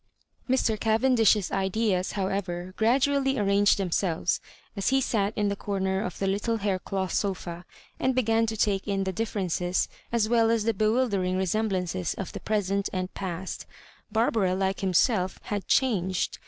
Mr. Cavendish's ideas, however, gradually arranged themselves as he sat in the comer of the little haircloth sofa, and began to take in the differences as well as the bewUdering resem bUmoes of the present and past Barbara, like himself had changed.